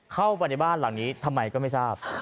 เข้าไปในบ้านหลังนี้ทำไมก็ไม่ทราบ